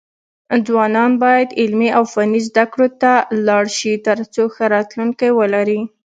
ځوانان بايد علمي او فني زده کړو ته لاړ شي، ترڅو ښه راتلونکی ولري.